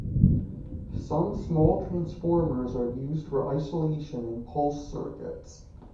Some small transformers are used for isolation in pulse circuits.